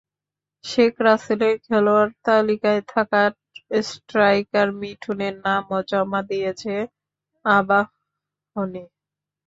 শেখ রাসেলের খেলোয়াড় তালিকায় থাকা স্ট্রাইকার মিঠুনের নামও জমা দিয়েছে আবাহনী।